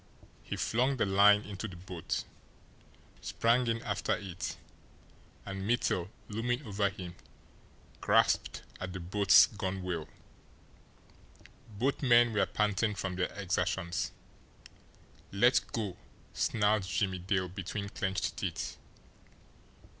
He flung the line into the boat, sprang in after it and Mittel, looming over him, grasped at the boat's gunwhale. Both men were panting from their exertions. "Let go!" snarled Jimmie Dale between clenched teeth.